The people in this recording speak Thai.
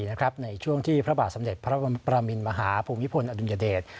ในช่วงที่พระบาทสำเร็จพระประมินมหาภูมิพลอดุลยเดช